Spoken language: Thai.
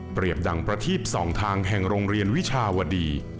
เปรียบดังประทีปส่องทางแห่งโรงเรียนวิชาวดี